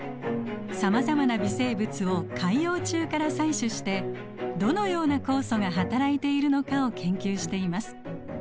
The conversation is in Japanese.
さまざまな微生物を海洋中から採取してどのような酵素がはたらいているのかを研究しています。